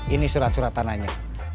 ini surat surat tanahnya